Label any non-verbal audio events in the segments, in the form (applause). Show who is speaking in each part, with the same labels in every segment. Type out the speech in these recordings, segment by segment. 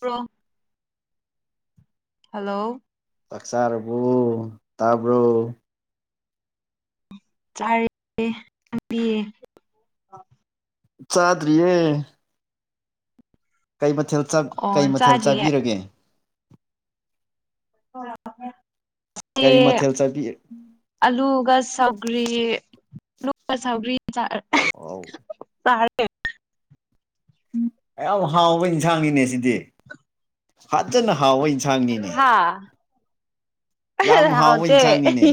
Speaker 1: pro hello
Speaker 2: ꯆꯥꯛ ꯆꯥꯥꯔꯕꯣ ꯇꯥꯕ꯭ꯔꯣ
Speaker 1: ꯆꯔꯦ ꯄꯤꯌꯦ (unintelligible)
Speaker 2: ꯆꯥꯗꯔꯤꯌꯦ ꯀꯩ ꯃꯊꯦꯜ
Speaker 1: ꯑꯣ
Speaker 2: ꯀꯩ ꯃꯊꯦꯜ
Speaker 1: ꯆꯥꯗ꯭ꯔꯤꯌꯦ
Speaker 2: ꯆꯥꯕꯤꯔꯒꯦ
Speaker 1: ꯍ (unintelligible)
Speaker 2: ꯀꯔꯤ ꯃꯊꯦꯜ ꯆꯕꯤ
Speaker 1: ꯑꯂꯨꯒ ꯁꯥꯎꯒꯔꯤ ꯑꯂꯨꯒ ꯁꯥꯎꯒ꯭ꯔꯤ ꯆꯥꯔꯦ
Speaker 2: ꯑꯥꯎ
Speaker 1: ꯆꯔꯦ (unintelligible)
Speaker 2: ꯌꯥꯝ ꯍꯥꯎꯕ ꯏꯟꯁꯥꯡꯅꯤꯅꯦ ꯁꯤꯗꯤ ꯐꯖꯅ ꯍꯥꯎꯕ ꯏꯟꯁꯥꯡꯅꯤꯅꯦ
Speaker 1: ꯍꯥꯥ
Speaker 2: ꯌꯥꯝ ꯍꯥꯎꯕ
Speaker 1: ꯍꯥꯎꯗꯦ
Speaker 2: ꯏꯟꯖꯥꯡꯅꯤꯅꯦ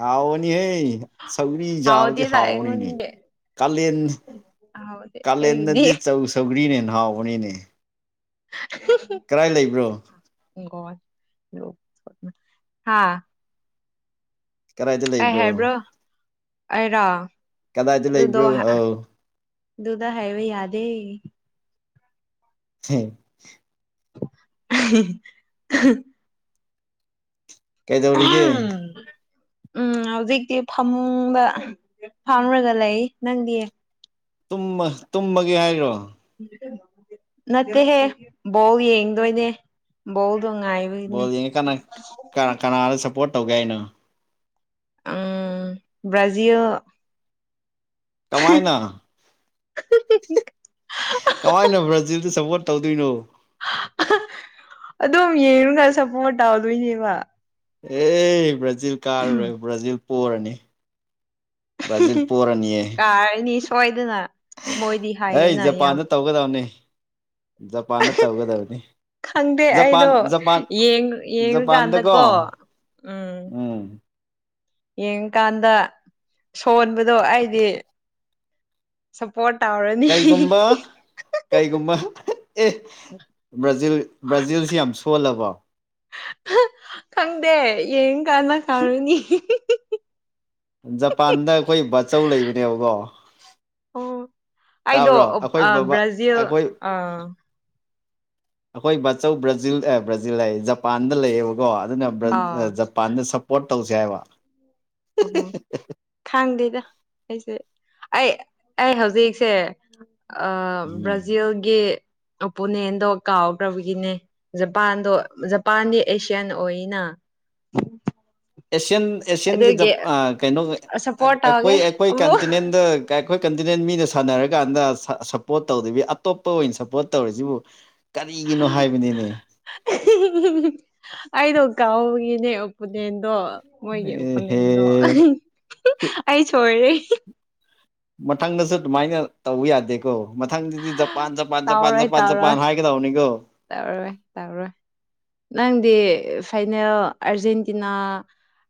Speaker 2: ꯍꯥꯎꯕꯅꯤ ꯍꯦ ꯁꯧꯒ꯭ꯔꯤ ꯆꯥꯕꯗꯤ
Speaker 1: ꯍꯥꯎꯗꯦꯗ
Speaker 2: ꯍꯥꯎꯕꯅꯤꯅꯦ
Speaker 1: ꯑꯩꯉꯣꯟꯗꯤ
Speaker 2: ꯀꯥꯂꯦꯟ
Speaker 1: ꯍꯥꯎꯗꯦ ꯑꯩꯒꯤꯗꯤ
Speaker 2: ꯀꯥꯂꯦꯟꯗꯗꯤ ꯆꯧ ꯁꯧꯒ꯭ꯔꯤꯅ ꯍꯦꯟꯅ ꯍꯥꯎꯕꯅꯤꯅꯦ
Speaker 1: ꯍꯤꯍꯤ (unintelligible)
Speaker 2: ꯀꯔꯥꯏ ꯂꯩꯕ꯭ꯔꯣ
Speaker 1: (unintelligible) ꯍꯥ
Speaker 2: ꯀꯗꯥꯏꯗ
Speaker 1: ꯑꯩ
Speaker 2: ꯂꯩꯕ꯭ꯔꯣ
Speaker 1: ꯍꯥꯏꯕ꯭ꯔꯣ ꯑꯩꯔꯣ
Speaker 2: ꯀꯗꯥꯏꯗ
Speaker 1: ꯑꯗꯨꯗꯣ
Speaker 2: ꯂꯩꯕ꯭ꯔꯣ ꯑꯧ
Speaker 1: ꯑꯗꯨꯗꯥ ꯍꯥꯏꯕ ꯌꯥꯗꯦ
Speaker 2: ꯍꯦ (unintelligible)
Speaker 1: ꯑꯍꯦ (unintelligible)
Speaker 2: ꯀꯩꯗꯧꯔꯤꯒꯦ
Speaker 1: ꯎꯝ ꯍꯧꯖꯤꯛꯇꯤ ꯐꯃꯨꯡꯗ ꯐꯝꯔꯒ ꯂꯩ ꯅꯪꯗꯤ
Speaker 2: ꯇꯨꯝꯃꯥ ꯇꯨꯝꯃꯒꯦ ꯍꯥꯏꯔꯣ
Speaker 1: ꯅꯠꯇꯦꯍꯦ ꯕꯣꯜ ꯌꯦꯡꯗꯣꯏꯅꯦ ꯕꯣꯜꯗꯣ ꯉꯥꯏ
Speaker 2: ꯕꯣꯜ ꯌꯦꯡꯉꯦ ꯀꯅꯥ ꯀꯅꯥꯗ ꯁꯞꯄꯣꯔꯠ ꯇꯧꯒꯦ ꯍꯥꯏꯅꯣ
Speaker 1: ꯎꯝ ꯕ꯭ꯔꯖꯤꯜ
Speaker 2: ꯀꯃꯥꯏꯅ ꯀꯃꯥꯏꯅ ꯕ꯭ꯔꯥꯖꯤꯜꯗ ꯁꯞꯄꯣꯔꯠ ꯇꯧꯗꯣꯏꯅꯣ
Speaker 1: ꯑꯗꯨꯝ ꯌꯦꯡꯂꯒ ꯁꯞꯄꯣꯔꯠ ꯇꯧꯗꯣꯏꯅꯦꯕ
Speaker 2: ꯑꯦ ꯕ꯭ꯔꯥꯖꯤꯜ ꯀꯥꯔꯔꯣꯏ ꯕ꯭ꯔꯥꯖꯤꯜ ꯄꯣꯔꯅꯤ ꯕ꯭ꯔꯥꯖꯤꯜ ꯄꯣꯔꯅꯤꯌꯦ
Speaker 1: ꯀꯥꯔꯅꯤ ꯁꯣꯏꯗꯅ ꯃꯣꯏꯗꯤ
Speaker 2: ꯑꯩ
Speaker 1: ꯍꯥꯏꯌꯦꯅ ꯌꯥꯝ
Speaker 2: ꯖꯄꯥꯟꯗ ꯇꯧꯒꯗꯕꯅꯤ ꯇꯧꯒꯗꯕꯅꯤ
Speaker 1: ꯈꯪꯗꯦ
Speaker 2: ꯖꯄꯥꯟ
Speaker 1: ꯑꯩꯗꯣ
Speaker 2: ꯖꯄꯥꯟ
Speaker 1: ꯌꯦꯡꯉꯨꯀꯥꯟꯗꯀꯣ
Speaker 2: ꯖꯄꯥꯟꯗꯀꯣ
Speaker 1: ꯎꯝ ꯌꯦꯡꯀꯥꯟꯗ ꯁꯣꯟꯕꯗꯣ ꯑꯩꯗꯤ ꯁꯞꯄꯣꯔꯠ ꯇꯧꯔꯅꯤ
Speaker 2: ꯀꯩꯒꯨꯝꯕ ꯀꯩꯒꯨꯝꯕ ꯑꯦ ꯕ꯭ꯔꯥꯖꯤꯜ ꯕ꯭ꯔꯥꯖꯤꯜꯁꯤ ꯌꯥꯝ ꯁꯣꯜꯂꯕꯣ (inaudible)
Speaker 1: ꯈꯪꯗꯦ ꯌꯦꯡ ꯀꯥꯟꯅ ꯈꯪꯉꯅꯤ
Speaker 2: ꯖꯄꯥꯟꯗ ꯑꯩꯈꯣꯏ ꯕꯥꯆꯧ ꯂꯩꯕꯅꯦꯕꯀꯣ
Speaker 1: ꯑꯣ ꯑꯩꯗꯣ
Speaker 2: ꯇꯥꯕ꯭ꯔꯣ ꯑꯩꯈꯣꯏ ꯕꯕꯥ
Speaker 1: ꯕ꯭ꯔꯥꯖꯤꯜ
Speaker 2: ꯑꯩꯈꯣꯏ
Speaker 1: ꯑꯥ
Speaker 2: ꯑꯩꯈꯣꯏ ꯕꯥꯆꯧ ꯕ꯭ꯔꯥꯖꯤꯜ ꯑꯦ ꯕ꯭ꯔꯥꯖꯤꯜ ꯍꯥꯌꯦ ꯖꯄꯥꯟꯗ ꯂꯩꯌꯦꯕꯀꯣ ꯑꯗꯨꯅ ꯕ꯭ꯔ
Speaker 1: ꯑꯥ
Speaker 2: ꯖꯞ ꯄꯥꯟꯗ ꯁꯞꯄꯣꯔꯠ ꯇꯧꯖꯦ ꯍꯥꯏꯕ
Speaker 1: ꯑꯣꯍꯣ ꯈꯪꯗꯦꯗ ꯑꯩꯁꯦ ꯑꯩ ꯑꯩ ꯍꯧꯖꯤꯛꯁꯦ ꯑ
Speaker 2: ꯎꯝ
Speaker 1: ꯕ꯭ꯔꯥꯖꯤꯜꯒꯤ ꯑꯣꯄꯣꯅꯦꯟꯗꯣ ꯀꯥꯎꯈ꯭ꯔꯕꯒꯤꯅꯦ ꯖꯄꯥꯟꯗꯣ ꯖꯄꯥꯟꯗꯤ ꯑꯦꯁꯤꯌꯥꯟ ꯑꯣꯏꯅ
Speaker 2: ꯑꯦꯁꯤꯌꯌꯥꯟ ꯑꯦꯁꯤꯌꯥꯟꯒꯤ ꯖ
Speaker 1: ꯑꯗꯨꯒꯤ
Speaker 2: ꯀꯩꯅꯣ
Speaker 1: ꯁꯞꯄꯣꯔꯠ ꯇꯧꯒꯦ
Speaker 2: ꯑꯩꯈꯣꯏ ꯑꯩꯈꯣꯏ
Speaker 1: ꯑꯃꯨꯛ
Speaker 2: ꯀꯟꯇꯤꯅꯦꯟꯗ ꯑꯩꯈꯣꯏ ꯀꯟꯇꯤꯅꯦꯟ ꯃꯤꯅ ꯁꯥꯟꯅꯔꯀꯥꯟꯗ ꯁꯞꯄꯣꯔꯠ ꯇꯧꯗꯕꯤ ꯑꯇꯣꯞꯄ ꯑꯣꯏꯅ ꯁꯞꯄꯣꯔꯠ ꯇꯧꯔꯤꯖꯤꯕꯨ ꯀꯔꯤꯒꯤꯅꯣ ꯍꯥꯏꯕꯅꯤꯃꯤ
Speaker 1: ꯑꯩꯗꯣ ꯀꯥꯎꯕꯒꯤꯅꯦ ꯑꯣꯄꯣꯅꯦꯟꯗꯣ ꯃꯣꯏꯒꯤ
Speaker 2: ꯑꯦꯍꯦ
Speaker 1: ꯑꯪꯄꯣꯅꯦꯜꯗꯣ ꯑꯩ ꯁꯣꯏꯔꯦ
Speaker 2: ꯃꯊꯪꯗꯁꯨ ꯑꯗꯨꯃꯥꯏꯅ ꯇꯧꯕ ꯌꯥꯗꯦ ꯀꯣ ꯃꯊꯪꯗꯗꯤ Japan Japan Japan Japan Japan ꯍꯥꯏꯒꯗꯧꯅꯤꯀꯣ
Speaker 1: ꯇꯧꯔꯣꯏ ꯇꯧꯔꯣꯏ ꯅꯪꯗꯤ ꯐꯥꯏꯅꯦꯜ ꯑꯔꯖꯦꯟꯇꯤꯅꯥ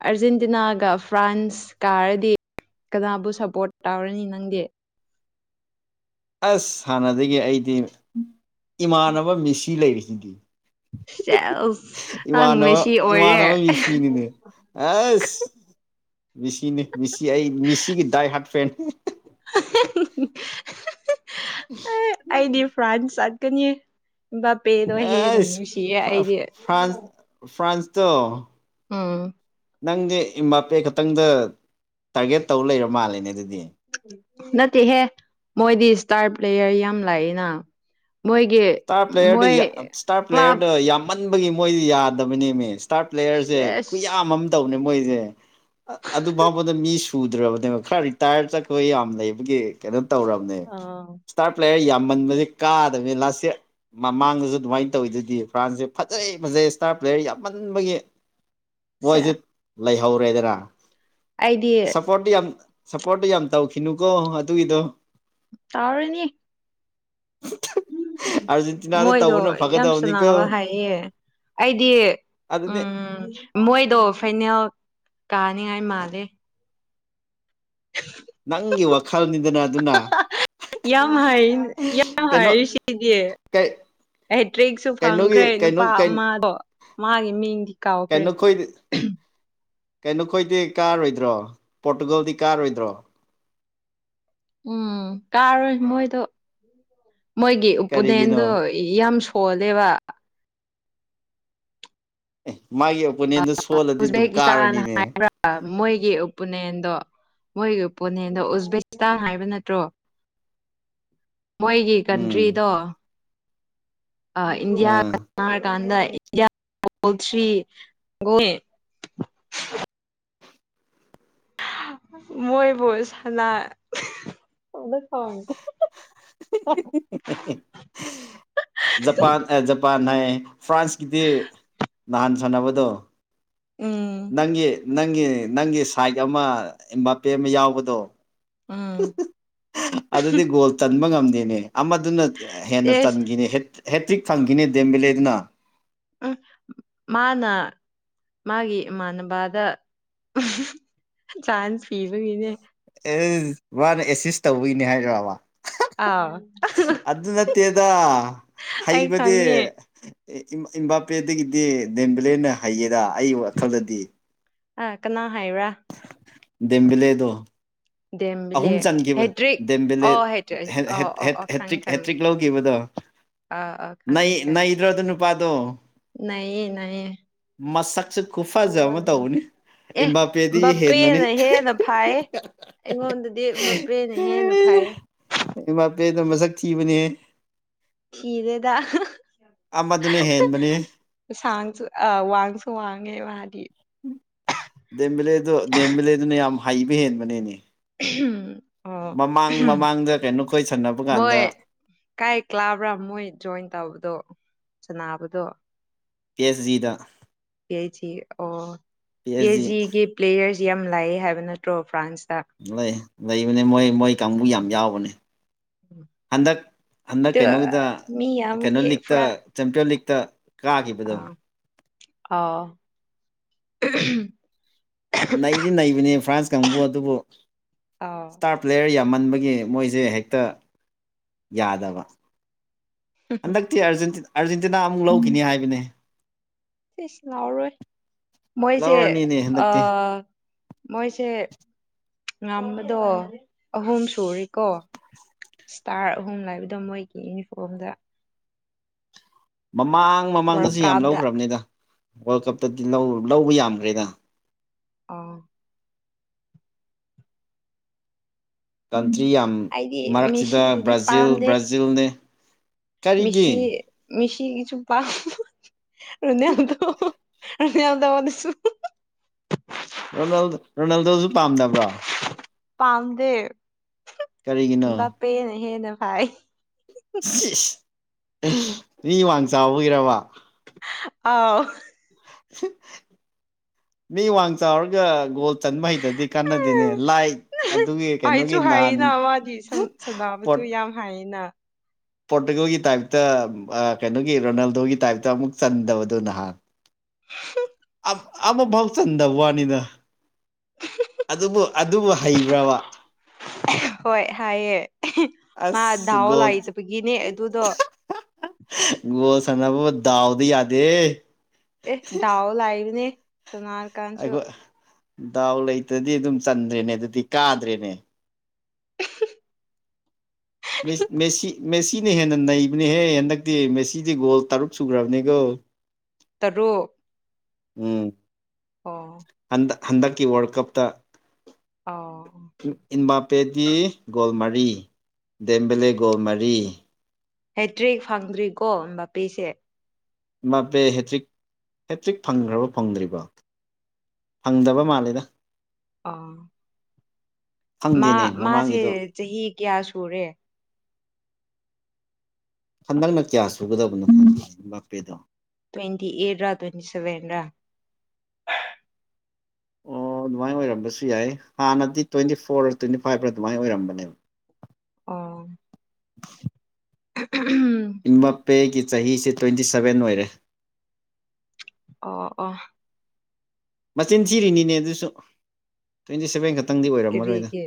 Speaker 1: ꯑꯥꯔꯖꯦꯟꯇꯤꯅꯥꯒ ꯐ꯭ꯔꯥꯟꯁ ꯀꯥꯔꯗꯤ ꯀꯅꯥꯕꯨ ꯁꯞꯄꯣꯔꯠ ꯇꯧꯔꯅꯤ ꯅꯪꯗꯤ
Speaker 2: ꯑꯁ ꯍꯥꯟꯅꯗꯒꯤ ꯑꯩꯗꯤ ꯏꯃꯥꯟꯅꯕ ꯃꯤꯁꯤ ꯂꯩꯔꯤꯁꯤꯗꯤ
Speaker 1: ꯁꯦꯁ ꯅꯪ
Speaker 2: ꯏꯃꯥꯟꯅꯕ
Speaker 1: ꯃꯦꯁꯤ ꯑꯣꯏꯔꯦ
Speaker 2: ꯏꯃꯥꯟꯅꯕ ꯃꯤꯁꯤꯅꯤꯅꯦ ꯑꯁ ꯃꯤꯁꯤꯅꯤ ꯃꯤꯁꯤ ꯑꯩ ꯃꯤꯁꯤꯒꯤ ꯗꯥꯏ ꯍꯥꯔꯠ ꯐ꯭ꯔꯦꯟꯅꯤ
Speaker 1: (unintelligible) ꯑꯦ
Speaker 2: (unintelligible)
Speaker 1: ꯑꯩꯗꯤ ꯐ꯭ꯔꯥꯟꯁ ꯆꯠꯀꯅꯤ ꯑꯝꯕꯄꯦꯗꯣ ꯍꯦꯟꯅ ꯅꯨꯡꯁꯤꯌꯦ
Speaker 2: ꯑꯁ
Speaker 1: ꯑꯩꯗꯤ
Speaker 2: ꯐ꯭ꯔꯥꯟꯁ ꯐ꯭ꯔꯥꯟꯁꯇꯣ
Speaker 1: ꯎꯝ
Speaker 2: ꯅꯪꯗꯤ ꯏꯝꯕꯥꯄꯦ ꯈꯛꯇꯪꯗ ꯇꯥꯔꯒꯦꯠ ꯇꯧꯔ ꯂꯩꯔ ꯃꯥꯜꯂꯦꯅꯦ ꯑꯗꯨꯗꯤ
Speaker 1: ꯅꯠꯇꯦꯍꯦ ꯃꯣꯏꯗꯤ ꯏꯁꯇꯥꯔ ꯄ꯭ꯂꯦꯌꯔ ꯌꯥꯝ ꯂꯥꯛꯌꯦꯅ ꯃꯣꯏꯒꯤ
Speaker 2: ꯏꯁꯇꯥꯔ ꯄ꯭ꯂꯦꯌꯔꯗ
Speaker 1: ꯃꯣꯏ
Speaker 2: ꯌꯥ ꯏꯁꯇꯥꯔ
Speaker 1: ꯀ꯭ꯂꯕ
Speaker 2: ꯄ꯭ꯂꯦꯌꯔꯗ ꯌꯥꯝꯃꯟꯕꯒꯤ ꯃꯣꯏꯗꯤ ꯌꯥꯗꯕꯅꯦ ꯃꯦ ꯏꯁꯇꯥꯔꯠ ꯄ꯭ꯂꯦꯌꯔꯖꯦ
Speaker 1: ꯁꯦꯁ
Speaker 2: ꯀꯨꯌꯥꯝ ꯑꯃ ꯇꯧꯅꯦ ꯃꯣꯏꯓꯦ ꯑꯗꯨ ꯐꯥꯎꯕꯗ ꯃꯤ ꯁꯨ ꯁꯨꯗ꯭ꯔꯕꯅꯦꯕ ꯈꯔ ꯔꯤꯇꯥꯌꯔ ꯆꯠꯄ ꯌꯥꯝ ꯂꯩꯕꯒꯤ ꯀꯩꯅꯣ ꯇꯧꯔꯝꯅꯦ
Speaker 1: ꯑꯥ
Speaker 2: ꯏꯁꯇꯥꯔ ꯄ꯭ꯂꯦꯌꯔ ꯌꯥꯝꯃꯟꯕꯗꯩ ꯀꯥꯗꯕꯅꯤ ꯂꯥꯁ‌ ꯏꯔ ꯃꯃꯥꯡꯗꯁꯨ ꯑꯗꯨꯃꯥꯏ ꯇꯧꯋꯤ ꯗꯨꯗꯤ ꯐ꯭ꯔꯥꯟꯁꯁꯦ ꯐꯖꯩ ꯐꯖꯩ ꯏꯁꯇꯥꯔ ꯄ꯭ꯂꯦꯌꯔ ꯌꯥꯝꯃꯟꯕꯒꯤ
Speaker 1: ꯁꯦ
Speaker 2: ꯃꯣꯏꯖꯨ ꯂꯩꯍꯧꯔꯦꯗꯅ
Speaker 1: ꯑꯩꯗꯤ
Speaker 2: ꯄꯣꯔꯠꯇꯤ ꯌꯥꯝ ꯁꯞꯄꯣꯔꯠꯇꯤ ꯌꯥꯝ ꯇꯧꯈꯤꯅꯨꯀꯣ ꯑꯗꯨꯒꯤꯗꯣ
Speaker 1: ꯇꯥꯎꯔꯅꯤ
Speaker 2: (inaudible) ꯑꯥꯔꯖꯦꯟꯇꯤꯅꯥꯗ
Speaker 1: ꯃꯣꯏꯗꯣ
Speaker 2: ꯇꯧꯕꯅ
Speaker 1: ꯌꯥꯝ
Speaker 2: ꯐꯒꯗꯕꯅꯤꯀꯣ
Speaker 1: ꯁꯅꯥꯕ ꯍꯥꯏꯌꯦ ꯑꯩꯗꯤ
Speaker 2: ꯑꯗꯨꯗꯤ
Speaker 1: ꯎꯝ ꯃꯣꯏꯗꯣ ꯐꯩꯅꯦꯜ ꯀꯥꯅꯤꯡꯉꯥꯏ ꯃꯥꯂꯦ (inaudible)
Speaker 2: ꯅꯪꯒꯤ ꯋꯥꯈꯜꯅꯤꯗꯅ ꯑꯗꯨꯅ
Speaker 1: ꯌꯥꯝ ꯍꯩ ꯌꯥꯝ
Speaker 2: ꯀꯩꯅꯣ
Speaker 1: ꯍꯩ ꯁꯤꯒꯤ
Speaker 2: ꯀꯩ
Speaker 1: ꯍꯦꯇ꯭ꯔꯤꯛꯁꯨ
Speaker 2: ꯀꯩꯅꯣꯒꯤ
Speaker 1: ꯐꯪꯈ꯭ꯔꯦ
Speaker 2: ꯀꯩꯅꯣ
Speaker 1: ꯅꯨꯄꯥ ꯑꯃꯗꯣ ꯃꯥꯒꯤ ꯃꯤꯡꯗꯤ ꯀꯥꯎꯈ꯭ꯔꯦ
Speaker 2: ꯀꯩꯅꯣꯈꯣꯏ ꯀꯩꯅꯣ ꯈꯣꯏꯗꯤ ꯀꯥꯔꯣꯏꯗ꯭ꯔꯣ ꯄꯣꯔꯇꯨꯒꯜꯗꯤ ꯀꯥꯔꯣꯏꯗ꯭ꯔꯣ
Speaker 1: ꯎꯝ ꯀꯥꯔꯣꯏ ꯃꯣꯏꯗꯣ ꯃꯣꯏꯒꯤ
Speaker 2: ꯀꯔꯤꯒꯤꯅꯣ
Speaker 1: ꯎꯄꯨꯅꯦꯟꯗꯣ ꯌꯥꯝ ꯁꯣꯜꯂꯦꯕ
Speaker 2: ꯑꯦ ꯃꯥꯏꯒꯤ ꯑꯣꯄꯣꯅꯦꯟꯗꯨ ꯁꯣꯜꯂꯗꯤ ꯗꯨꯝ ꯀꯥꯔꯅꯤꯅꯦ
Speaker 1: ꯑꯥ ꯃꯣꯏꯒꯤ ꯎꯄꯨꯅꯦꯟꯗꯣ ꯃꯣꯏꯒꯤ ꯎꯄꯨꯅꯦꯟꯗꯣ ꯎꯖꯕꯦꯀꯤꯁꯇꯥ ꯍꯥꯏꯕ ꯅꯠꯇ꯭ꯔꯣ ꯃꯣꯏꯒꯤ
Speaker 2: ꯎꯝ
Speaker 1: ꯀꯟꯇ꯭ꯔꯤꯗꯣ ꯑꯥ ꯏꯟꯗꯤꯌꯥ
Speaker 2: ꯑꯥ
Speaker 1: ꯀꯥꯔꯀꯥꯟꯗ ꯏꯟꯗꯤꯌꯥ ꯒꯣꯜ ꯊꯔ꯭ꯤ ꯃꯣꯏꯕꯨ ꯁꯥꯟꯅ (unintelligible) (unintelligible)
Speaker 2: ꯖꯄꯥꯟ ꯑꯦ ꯖꯄꯥꯟ ꯍꯥꯏꯌꯦ ꯐ꯭ꯔꯥꯟꯁꯀꯤꯗꯤ ꯅꯍꯥꯟ ꯁꯥꯟꯅꯕꯗꯣ
Speaker 1: ꯎꯝ
Speaker 2: ꯅꯪꯒꯤ ꯅꯪꯒꯤ ꯅꯪꯒꯤ ꯁꯥꯏꯛ ꯑꯃ ꯏꯝꯕꯥꯄꯦ ꯑꯃ ꯌꯥꯎꯕꯗꯣ
Speaker 1: ꯎꯝ
Speaker 2: ꯑꯗꯨꯗꯤ ꯒꯣꯜ ꯆꯟꯕ ꯉꯝꯗꯦꯅꯦ ꯑꯃꯗꯨꯅ ꯍꯦꯟꯅ
Speaker 1: ꯑꯦꯁ
Speaker 2: ꯆꯟꯒꯤꯅꯤ ꯍꯦꯠ ꯍꯦꯠꯇ꯭ꯔꯤꯛ ꯐꯪꯈꯤꯅꯦ ꯗꯦꯝꯕꯤꯂꯦꯗꯨꯅ
Speaker 1: ꯎꯝ ꯃꯥꯅ ꯃꯥꯒꯤ ꯏꯃꯥꯟꯅꯕꯗ ꯆꯥꯟꯁ ꯄꯤꯕꯒꯤꯅꯦ
Speaker 2: ꯑꯦꯖ ꯃꯥꯅ ꯑꯦꯁꯤꯁ ꯇꯧꯕꯒꯤꯅꯦ ꯍꯥꯏꯔꯕ
Speaker 1: ꯑꯥꯎ
Speaker 2: ꯑꯗꯨ ꯅꯠꯇꯦꯗ
Speaker 1: ꯑꯩ
Speaker 2: ꯍꯩꯕꯗꯦ
Speaker 1: ꯈꯪꯉꯦ
Speaker 2: ꯑꯦ ꯏꯝ ꯏꯝꯕꯥꯄꯦꯗꯒꯤꯗꯤ ꯗꯦꯝꯕꯤꯂꯦꯅ ꯍꯩꯌꯦꯗ ꯑꯩꯒꯤ ꯋꯥꯈꯜꯗꯗꯤ
Speaker 1: ꯑ ꯀꯅꯥ ꯍꯥꯏꯌꯨꯔꯥ
Speaker 2: ꯗꯦꯝꯕꯤꯂꯦꯗꯣ
Speaker 1: ꯗꯦꯝꯕꯤꯂꯦ
Speaker 2: ꯑꯍꯨꯝ ꯆꯟꯒꯤꯕ
Speaker 1: ꯍꯦꯗ꯭ꯔꯤꯛ
Speaker 2: ꯗꯦꯝꯕꯦꯂꯦꯠ
Speaker 1: ꯑꯣ ꯍꯦꯗ꯭ꯔꯤꯛ
Speaker 2: ꯍꯦꯠ
Speaker 1: ꯑꯣ
Speaker 2: ꯍꯦꯠ
Speaker 1: ꯑꯣ
Speaker 2: ꯍꯦꯠ
Speaker 1: ꯑꯣ ꯈꯪꯉꯦ
Speaker 2: ꯍꯦꯇ꯭ꯔꯤꯛ
Speaker 1: ꯈꯪꯉꯦ
Speaker 2: ꯍꯦꯇ꯭ꯔꯤꯛ ꯂꯧꯒꯤꯕꯗꯣ
Speaker 1: ꯑꯥ ꯑꯥ
Speaker 2: ꯅꯩ
Speaker 1: ꯈꯪꯉꯦ ꯈꯪꯉꯦ
Speaker 2: ꯅꯩꯗ꯭ꯔꯣ ꯑꯗꯨ ꯅꯨꯄꯥꯗꯣ
Speaker 1: ꯅꯩꯌꯦ ꯅꯩꯌꯦ
Speaker 2: ꯃꯁꯛꯁꯨ ꯈꯨꯐꯖ ꯑꯃ ꯇꯧꯕꯅꯤ ꯏꯝꯕꯥꯄꯦꯗꯒꯤ ꯍꯦꯟꯕꯅꯤ
Speaker 1: ꯐꯥꯌꯦ ꯑꯩꯉꯣꯟꯗꯗꯤ ꯃꯄꯦꯅ ꯍꯦꯟꯅ ꯐꯥꯏꯌꯦ
Speaker 2: ꯏꯝꯕꯥꯄꯦꯗꯣ ꯃꯁꯛ ꯊꯤꯕꯅꯤꯍꯦ
Speaker 1: ꯊꯤꯗꯦꯗ
Speaker 2: ꯑꯃꯗꯨꯅ ꯍꯦꯟꯕꯅꯦ
Speaker 1: ꯁꯥꯡꯁꯨ ꯑ ꯋꯥꯡꯁꯨ ꯋꯥꯡꯉꯦ ꯃꯥꯗꯤ
Speaker 2: ꯗꯦꯝꯕꯤꯂꯦꯗꯣ ꯗꯦꯝꯕꯤꯂꯦꯗꯨꯅ ꯌꯥꯝ ꯍꯩꯕ ꯍꯦꯟꯕꯅꯦꯅꯤ
Speaker 1: (unintelligible)
Speaker 2: ꯃꯃꯥꯡ ꯃꯃꯥꯡꯗ ꯀꯩꯅꯣꯈꯣꯏ ꯁꯥꯟꯅꯕꯀꯥꯟꯗ
Speaker 1: ꯃꯣꯏ ꯀꯥꯏ ꯀ꯭ꯂꯥꯕ꯭ꯔꯥ ꯃꯣꯏ ꯖꯣꯏꯟ ꯇꯧꯕꯗꯣ ꯁꯅꯥꯕꯗꯣ
Speaker 2: ꯀꯦꯁ ꯖꯤꯗ
Speaker 1: ꯄꯤ ꯑꯩꯆ ꯖꯤ ꯑꯣ ꯄꯤ ꯑꯩꯆ ꯖꯤ ꯒꯤ ꯄ꯭ꯂꯦꯌꯔꯁ ꯌꯥꯝ ꯂꯥꯏꯌꯦ ꯍꯥꯏꯕ ꯅꯠꯇ꯭ꯔꯣ ꯐ꯭ꯔꯥꯟꯁꯇ
Speaker 2: ꯂꯩ ꯂꯩꯕꯅꯤ ꯃꯣꯏ ꯃꯣꯏ ꯀꯥꯡꯕꯨ ꯌꯥꯝ ꯌꯥꯎꯕꯅꯦ ꯍꯟꯗꯛ ꯍꯟꯗꯛ
Speaker 1: ꯑꯗꯨ
Speaker 2: ꯀꯩꯅꯣꯒꯤꯗ
Speaker 1: ꯃꯤ
Speaker 2: ꯀꯩꯅꯣ
Speaker 1: ꯌꯥꯝꯕꯒꯤ
Speaker 2: ꯂꯤꯛꯇ ꯆꯦꯝꯄꯤꯌꯣꯟ ꯂꯤꯛꯇ
Speaker 1: ꯑ
Speaker 2: ꯀꯥꯈꯤꯕꯗꯣ
Speaker 1: ꯑꯥꯎ
Speaker 2: ꯅꯩꯗꯤ ꯅꯩꯕꯅꯦ ꯐ꯭ꯔꯥꯟꯁ ꯀꯥꯡꯕꯨ ꯑꯗꯨꯕꯨ
Speaker 1: ꯑꯥꯎ
Speaker 2: ꯁꯇꯥꯔꯞ ꯄ꯭ꯂꯦꯌꯔ ꯌꯥꯝꯃꯟꯕꯒꯤ ꯃꯣꯏꯖꯦ ꯍꯦꯛꯇ ꯌꯥꯗꯕ ꯍꯟꯗꯛꯇꯤ ꯑꯥꯔꯖꯦꯟꯇꯤꯟ ꯑꯥꯔꯖꯦꯟꯇꯤꯅꯥ ꯑꯃꯨꯛ ꯂꯧꯈꯤꯅꯤ ꯍꯥꯏꯕꯅꯦ
Speaker 1: ꯏꯁ ꯂꯥꯎꯔꯣꯏ ꯃꯣꯏꯁꯦ
Speaker 2: ꯂꯧꯔꯅꯤꯅꯦ
Speaker 1: ꯑ
Speaker 2: ꯍꯟꯗꯛꯇꯤ
Speaker 1: ꯃꯣꯏꯁꯦ ꯉꯝꯕꯗꯣ ꯑꯍꯨꯝ ꯁꯨꯔꯤꯀꯣ ꯏꯁꯇꯥꯔ ꯑꯍꯨꯝ ꯂꯥꯏꯕꯗꯣ ꯃꯣꯏꯒꯤ ꯌꯨꯅꯤꯐꯣꯝꯗ
Speaker 2: ꯃꯃꯥꯡ
Speaker 1: ꯋꯥꯔꯜ
Speaker 2: ꯃꯃꯥꯡꯗꯁꯨ ꯌꯥꯝ
Speaker 1: ꯀꯞꯇ
Speaker 2: ꯂꯧꯈ꯭ꯔꯝꯅꯤꯗ ꯋꯥꯜ ꯀꯞꯇꯗꯤ ꯂꯧ ꯂꯧꯕ ꯌꯥꯝꯒꯔꯦꯗ
Speaker 1: ꯑꯥ
Speaker 2: ꯀꯟꯇꯔꯤ ꯌꯥꯝ
Speaker 1: ꯑꯩꯗꯤ
Speaker 2: ꯃꯔꯛꯁꯤꯗ
Speaker 1: ꯃꯦꯁꯤꯕꯨꯗꯤ
Speaker 2: ꯕ꯭ꯔꯥꯖꯤꯜ ꯕ꯭ꯔꯥꯖꯤꯜꯅꯦ ꯀꯔꯤꯒꯤ
Speaker 1: ꯃꯤꯁꯤ ꯃꯤꯁꯤꯒꯤꯆꯨ ꯄꯥꯝ ꯔꯣꯅ꯭ꯌꯥꯜꯗꯣ ꯔꯅ꯭ꯌꯥꯜꯗꯣ ꯅꯁꯨ
Speaker 2: ꯔꯣꯅꯥꯜꯗꯣ ꯔꯣꯅꯥꯜꯗꯣꯖꯨ ꯄꯥꯝꯗꯕ꯭ꯔꯣ
Speaker 1: ꯄꯥꯝꯗꯦ
Speaker 2: ꯀꯔꯤꯒꯤꯅꯣ
Speaker 1: ꯄꯦꯅ ꯍꯦꯟꯅ ꯐꯥꯏ
Speaker 2: ꯁꯤꯁ ꯃꯤ ꯋꯥꯡ ꯆꯥꯎꯕꯩꯔꯕ
Speaker 1: ꯑꯥꯎ
Speaker 2: ꯃꯤ ꯋꯥꯡ ꯆꯥꯎꯔꯒ ꯒꯣꯜ ꯆꯟꯕ ꯍꯩꯇꯗꯤ ꯀꯥꯟꯅꯗꯦꯅꯦ ꯂꯥꯏ ꯑꯗꯨꯒꯤ ꯀꯩꯅꯣꯒꯤ ꯅꯍꯥꯟ
Speaker 1: ꯒꯤ ꯁꯨꯝ ꯁꯅꯥꯕꯁꯆꯨ
Speaker 2: ꯄꯣꯔꯠ
Speaker 1: ꯌꯥꯝ ꯍꯥꯏꯅ
Speaker 2: ꯄꯣꯔꯇꯨꯒꯜꯒꯤ ꯇꯥꯏꯞꯇ ꯑꯥ ꯀꯩꯅꯣꯒꯤ ꯔꯣꯅꯥꯜꯗꯣꯒꯤ ꯇꯥꯏꯞꯇ ꯑꯃꯨꯛ ꯆꯟꯗꯕꯗꯣ ꯅꯍꯥꯟ ꯑꯃꯕꯥꯎ ꯆꯟꯗ ꯋꯥꯅꯤꯗ ꯑꯗꯨꯕꯨ ꯑꯗꯨꯕꯨ ꯍꯩꯕ꯭ꯔꯥꯕ
Speaker 1: ꯍꯣꯏ ꯍꯥꯏꯌꯦ ꯃꯥ
Speaker 2: ꯑꯁ
Speaker 1: ꯗꯥꯎ
Speaker 2: ꯒꯣꯜ
Speaker 1: ꯂꯥꯏꯇꯕꯒꯤꯅꯦ ꯑꯗꯨꯗꯣ
Speaker 2: ꯒꯣꯜ ꯁꯥꯟꯅꯕꯕꯨ ꯗꯥꯎꯗ ꯌꯥꯗꯦꯍꯦ
Speaker 1: ꯑꯦ ꯗꯥꯎ ꯂꯥꯏꯕꯅꯦ
Speaker 2: ꯑꯩꯈꯣꯏ ꯗꯥꯎ ꯂꯩꯇꯗꯤ ꯑꯗꯨꯝ ꯆꯟꯗ꯭ꯔꯦꯅꯦ ꯑꯗꯨꯗꯤ ꯀꯥꯗ꯭ꯔꯦꯅꯦ
Speaker 1: (unintelligible)
Speaker 2: ꯃꯤ ꯃꯦꯁꯤ ꯃꯦꯁꯤꯅ ꯍꯦꯟꯅ ꯅꯩꯕꯅꯦꯍꯦ ꯍꯟꯗꯛꯇꯤ ꯃꯦꯁꯤꯗꯤ ꯒꯣꯜ ꯇꯔꯨꯛ ꯁꯨꯒ꯭ꯔꯕꯅꯦꯒꯣ
Speaker 1: ꯇꯔꯨꯛ
Speaker 2: ꯎꯝ
Speaker 1: ꯑꯣ
Speaker 2: ꯍꯟꯗ ꯍꯟꯗꯛꯀꯤ ꯋꯥꯔꯜ ꯀꯞꯇ
Speaker 1: ꯑꯣ
Speaker 2: ꯏꯟꯕꯥꯞ ꯄꯦꯗꯤ ꯒꯣꯜ ꯃꯔꯤ ꯗꯦꯝꯕꯤꯂꯦ ꯒꯣꯜ ꯃꯔꯤ
Speaker 1: ꯍꯦꯇ꯭ꯔꯤꯛ ꯐꯪꯗ꯭ꯔꯤꯀꯣ ꯕꯥꯄꯦꯁꯦ
Speaker 2: ꯃꯥꯄꯦ ꯍꯦꯇ꯭ꯔꯤꯛ ꯍꯦꯇ꯭ꯔꯤꯛ ꯐꯪꯒ꯭ꯔꯕ ꯐꯪꯗ꯭ꯔꯤꯕ ꯐꯪꯗꯕ ꯃꯥꯜꯂꯦꯗ
Speaker 1: ꯑꯥ ꯃꯥ
Speaker 2: ꯈꯪꯗꯦꯅꯦ
Speaker 1: ꯃꯥꯁꯦ
Speaker 2: ꯃꯃꯥꯡꯒꯤꯗꯣ
Speaker 1: ꯆꯍꯤ ꯀꯌꯥ ꯁꯨꯔꯦ
Speaker 2: ꯍꯟꯗꯛꯅ ꯀꯌꯥ ꯁꯨꯒꯗꯕꯅꯣ ꯕꯥꯄꯦꯗꯣ
Speaker 1: ꯇ꯭ꯋꯦꯟꯇꯤ ꯑꯦꯠꯔ ꯇ꯭ꯋꯦꯟꯇꯤ ꯁꯦꯚꯦꯟꯔ
Speaker 2: ꯑꯧ ꯗꯨꯃꯥꯏꯟ ꯑꯣꯏꯔꯝꯕꯁꯨ ꯌꯥꯏ ꯍꯥꯟꯅꯗꯤ ꯇ꯭ꯋꯦꯟꯇꯤ ꯐꯣꯔꯔ ꯇ꯭ꯋꯦꯟꯇꯤ ꯐꯥꯏꯞꯔ ꯗꯨꯃꯥꯏ ꯑꯣꯏꯔꯝꯕꯅꯦ
Speaker 1: ꯑꯣ (unintelligible)
Speaker 2: ꯏꯝꯕꯥꯄꯦꯒꯤ ꯆꯍꯤꯁꯦ ꯇ꯭ꯋꯦꯟꯇꯤ ꯁꯕꯦꯟ ꯑꯣꯏꯔꯦ
Speaker 1: ꯑꯣ ꯑꯣ
Speaker 2: ꯃꯆꯤꯟ ꯊꯤꯔꯤꯅꯤꯅꯦ ꯑꯗꯨꯁꯨ ꯇ꯭ꯋꯦꯟꯇꯤ ꯁꯦꯚꯦꯟ ꯈꯛꯇꯪꯗꯤ ꯑꯣꯏꯔꯝꯃꯔꯣꯏꯗ
Speaker 1: ꯀꯔꯤꯒꯤ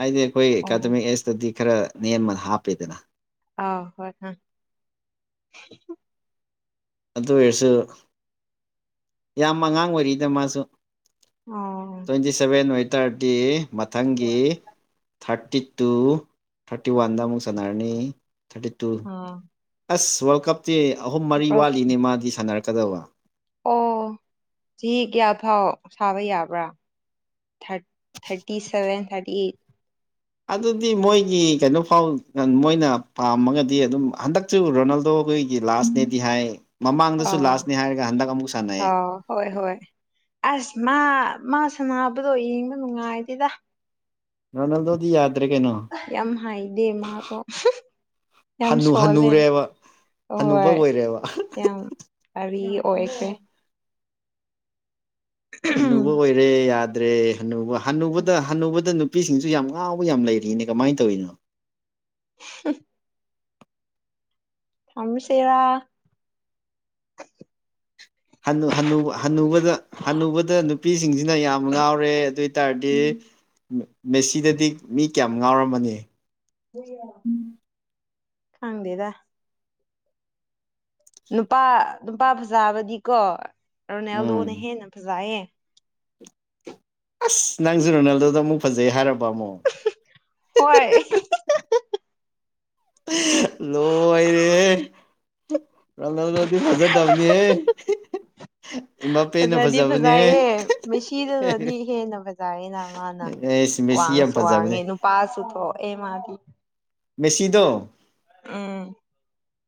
Speaker 2: ꯍꯥꯏꯗꯤ ꯑꯈꯣꯏ
Speaker 1: ꯑꯣ
Speaker 2: ꯑꯦꯀꯥꯗꯃꯤꯛ ꯑꯦꯖꯇꯗꯤ ꯈꯔ ꯅꯦꯝꯕꯅ ꯍꯥꯞꯄꯦꯗꯅ
Speaker 1: ꯑꯥꯎ ꯍꯣꯏ ꯍ
Speaker 2: ꯑꯗꯨꯑꯣꯏꯔꯁꯨ ꯌꯥꯝ ꯑꯉꯥꯡ ꯑꯣꯏꯔꯤꯗ ꯃꯥꯖꯨ
Speaker 1: ꯑꯣ
Speaker 2: ꯗꯤ ꯁꯚꯦꯟ ꯑꯣꯏꯇꯥꯔꯗꯤ ꯃꯊꯪꯒꯤ ꯊꯥꯔꯇꯤ ꯇꯨ ꯊꯥꯔꯇꯤ ꯋꯥꯟꯗ ꯑꯃꯨꯛ ꯁꯥꯟꯅꯔꯅꯤ ꯊꯥꯔꯇꯤ ꯇꯨ
Speaker 1: ꯑꯥ
Speaker 2: ꯑꯁ ꯋꯥꯔꯜ ꯀꯞꯇꯤ ꯑꯍꯨꯝ ꯃꯔꯤ ꯋꯥꯠꯂꯤꯅꯦ ꯃꯥꯗꯤ ꯁꯥꯟꯅꯔꯛꯀꯗꯕ
Speaker 1: ꯑꯣ ꯆꯍꯤ ꯀꯌꯥ ꯐꯥꯎ ꯁꯥꯕ ꯌꯥꯕ꯭ꯔꯥ ꯊꯔ ꯊꯥꯔꯇꯤ ꯁꯚꯦꯟ ꯊꯥꯔꯇꯤ ꯑꯩꯠ
Speaker 2: ꯑꯗꯨꯗꯤ ꯃꯣꯏꯒꯤ ꯀꯩꯅꯣ ꯐꯥꯎ ꯃꯣꯏꯅ ꯄꯥꯝꯃꯒꯗꯤ ꯑꯗꯨꯝ ꯍꯟꯗꯛ ꯁꯨ ꯔꯣꯅꯥꯜꯗꯣ ꯈꯣꯏꯒꯤ ꯂꯥꯁꯅꯦꯗꯤ ꯍꯥꯏ ꯃꯃꯥꯡꯗꯁꯨ ꯂꯥꯁꯅꯦ ꯍꯥꯏꯔꯒ ꯍꯟꯗꯛ ꯑꯃꯨꯛ ꯁꯥꯟꯅꯩꯌꯦ
Speaker 1: ꯑꯥꯎ ꯍꯣꯏ ꯍꯣꯏ ꯑꯁ ꯃꯥ ꯃꯥ ꯁꯅꯥꯅꯕꯗꯣ ꯌꯦꯡꯕ ꯅꯨꯡꯉꯥꯏꯇꯦꯗ
Speaker 2: ꯔꯣꯅꯥꯜꯗꯣꯗꯤ ꯌꯥꯗ꯭ꯔꯦ ꯀꯩꯅꯣ
Speaker 1: ꯌꯥꯝ ꯍꯥꯏꯗꯦ ꯃꯥꯗꯣ ꯌꯥꯝ ꯁꯣꯜꯂꯦ
Speaker 2: ꯍꯅꯨꯕ
Speaker 1: ꯍꯣꯏ
Speaker 2: ꯑꯣꯏꯔꯦꯕ
Speaker 1: ꯌꯥꯝ (unintelligible) ꯑꯣꯏꯈ꯭ꯔꯦ
Speaker 2: ꯍꯅꯨꯕ ꯑꯣꯏꯔꯦ ꯌꯥꯗ꯭ꯔꯦ ꯍꯟꯅꯨꯕ ꯍꯅꯨꯕꯗ ꯍꯟꯅꯨꯕꯗ ꯅꯨꯞ ꯄꯤꯁꯤꯡꯁꯨ ꯌꯥꯝ ꯉꯥꯎꯕ ꯌꯥꯝ ꯂꯩꯔꯤꯅꯦ ꯀꯃꯥꯏꯅ ꯇꯧꯔꯤꯅꯣ
Speaker 1: ꯍꯨꯝ (unintelligible)
Speaker 2: ꯍꯟꯅꯨ- ꯍꯟꯅꯨ ꯍꯟꯅꯨꯕꯗ ꯍꯟꯅꯨꯕꯗ ꯅꯨꯄꯤꯁꯤꯡꯁꯤꯅ ꯌꯥꯝ ꯉꯥꯎꯔꯦ ꯑꯗꯨ ꯑꯣꯏ ꯇꯥꯔꯗꯤ ꯃꯦꯁꯤꯗꯗꯤ ꯃꯤ ꯀꯌꯥꯝ ꯉꯥꯎꯔꯃꯅꯤ
Speaker 1: ꯈꯪꯗꯦꯗ ꯅꯨꯄꯥ -ꯅꯨꯄꯥ ꯐꯖꯕꯗꯤꯀꯣ
Speaker 2: ꯎꯝ
Speaker 1: ꯔꯣꯅꯦꯜꯗꯣꯅ ꯍꯦꯟꯅ ꯐꯖꯩꯌꯦ
Speaker 2: ꯑꯁ ꯅꯪꯁꯨ ꯔꯣꯅꯥꯜꯗꯣꯗ ꯑꯃꯨꯛ ꯐꯖꯩ ꯍꯥꯏꯔꯕ ꯑꯃꯨꯛ
Speaker 1: ꯍꯣꯏ
Speaker 2: ꯂꯣꯏꯔꯦꯍꯦ ꯔꯣꯅꯜꯗꯣꯗꯤ ꯐꯖꯗꯕ ꯅꯦꯍꯦ
Speaker 1: ꯐꯖꯗꯤ ꯐꯖꯥꯏꯍꯦ ꯃꯦꯁꯤꯗꯅꯗꯤ ꯍꯦꯟꯅ ꯐꯖ ꯖꯥꯢꯅ ꯃꯥꯅ
Speaker 2: ꯑꯦꯁ ꯃꯦꯁꯤ ꯌꯥꯝ
Speaker 1: ꯋꯥꯡꯁꯨ
Speaker 2: ꯐꯖꯕꯅꯦ
Speaker 1: ꯋꯥꯡꯉꯦ ꯅꯨꯄꯥꯁꯨ ꯊꯣꯛ ꯑꯦ ꯃꯥꯗꯤ
Speaker 2: ꯃꯦꯁꯤꯗꯣ
Speaker 1: ꯎꯝ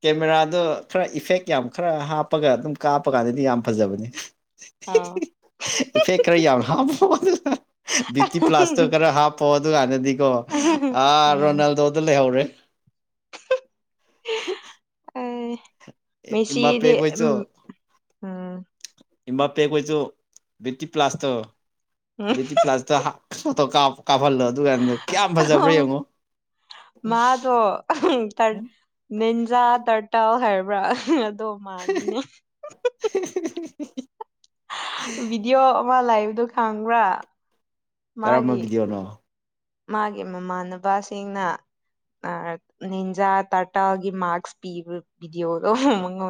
Speaker 2: ꯀꯦꯃꯦꯔꯥꯗꯣ ꯈꯔ ꯏꯐꯦꯛ ꯌꯥꯝ ꯈꯔ ꯍꯥꯞꯄꯒ ꯑꯗꯨꯝ ꯀꯥꯞꯄ ꯀꯥꯟꯗꯗꯤ ꯌꯥꯝ ꯐꯖꯕꯅꯤ
Speaker 1: ꯑꯥꯎ
Speaker 2: ꯏꯐꯦꯛ ꯈꯔ ꯌꯥꯝ ꯍꯥꯞꯄꯣ ꯑꯗꯨꯒ ꯕꯤꯌꯨꯇꯤ ꯄ꯭ꯂꯥꯁꯇꯔ ꯈꯔ ꯍꯥꯞꯄꯣ ꯑꯗꯨ ꯀꯥꯟꯗꯗꯤ ꯀꯣ ꯑꯥ
Speaker 1: ꯎꯝ
Speaker 2: ꯔꯣꯅꯥꯜꯗꯣꯗꯣ ꯂꯩꯍꯧꯔꯦ (inaudible)
Speaker 1: ꯑ ꯃꯦꯁꯤꯗꯤ ꯎꯝ ꯎꯝ
Speaker 2: ꯏꯝꯕꯥꯄꯦ ꯈꯣꯏꯁꯨ ꯕꯤꯠꯇꯤ ꯄ꯭ꯂꯥꯁꯇꯣ
Speaker 1: ꯎꯝ
Speaker 2: ꯕꯤꯠꯇꯤ ꯄ꯭ꯂꯥꯁꯇ ꯍꯥꯞ ꯐꯣꯇꯣ ꯀꯥ ꯀꯥꯐꯜꯂꯣ ꯑꯗꯨꯗꯨ ꯀꯥꯟꯗ
Speaker 1: ꯍꯣ ꯃꯥꯗꯣ ꯇꯔ ꯅꯤꯟꯖꯥ ꯇꯔꯇꯜ ꯍꯥꯏꯕ꯭ꯔꯥ ꯑꯗꯣ ꯃꯥꯟꯕꯅꯦ
Speaker 2: (inaudible)
Speaker 1: ꯚꯤꯗꯤꯑꯣ ꯑꯃ ꯂꯩꯕꯗꯨ ꯈꯪꯕ꯭ꯔꯥ
Speaker 2: ꯀꯔꯝꯕ
Speaker 1: ꯃꯥꯒꯤ
Speaker 2: ꯚꯤꯗꯤꯑꯣꯅꯣ
Speaker 1: ꯃꯥꯒꯤ ꯃꯃꯥꯟꯅꯕꯁꯤꯡꯅ ꯑ ꯅꯤꯟꯖꯥ ꯇꯥꯔꯇꯜꯒꯤ ꯃꯥꯛꯁ ꯄꯤꯕ ꯚꯤꯗꯤꯑꯣꯗꯣ ꯃꯉꯣꯟ